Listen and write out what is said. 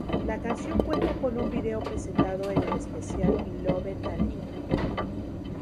La canción cuenta con un video presentado en el especial Love Thalia.